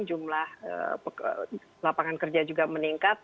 jumlah lapangan kerja juga meningkat